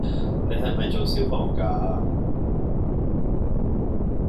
你係咪做消防架